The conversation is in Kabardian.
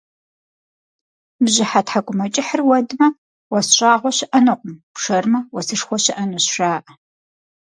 Бжьыхьэ тхьэкӏумэкӏыхьыр уэдмэ, уэс щӏагъуэ щыӏэнукъым, пшэрмэ, уэсышхуэ щыӏэнущ, жаӏэ.